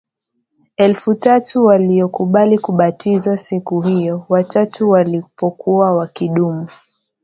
Elfu tatu waliokubali kubatizwa siku hiyo Watu walipokuwa wakidumu